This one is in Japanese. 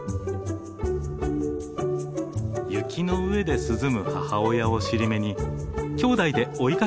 雪の上で涼む母親を尻目にきょうだいで追いかけっこを始めました。